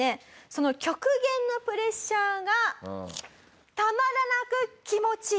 その極限のプレッシャーがたまらなく気持ちいい。